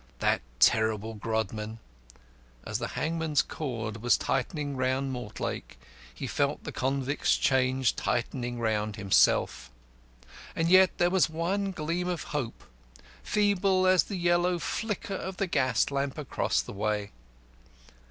That terrible Grodman! As the hangman's cord was tightening round Mortlake, he felt the convict's chains tightening round himself. And yet there was one gleam of hope, feeble as the yellow flicker of the gas lamp across the way.